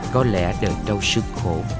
có lẽ đời trâu sức khổ